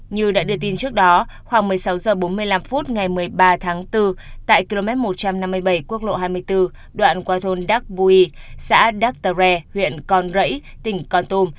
như đã được tin trước đó khoảng một mươi sáu h bốn mươi năm phút ngày một mươi ba tháng bốn tại km một trăm năm mươi bảy quốc lộ hai mươi bốn đoạn qua thôn đắc bùi xã đắc tà re huyện con rẫy tỉnh con tùm